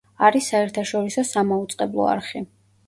არის საერთაშორისო სამაუწყებლო არხი.